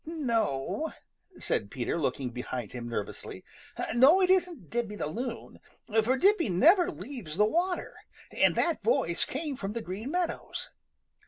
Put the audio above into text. "No," said Peter, looking behind him nervously. "No, it isn't Dippy the Loon, for Dippy never leaves the water, and that voice came from the Green Meadows.